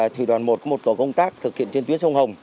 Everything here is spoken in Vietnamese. thì đoàn một có một tổ công tác thực hiện trên tuyến sông hồng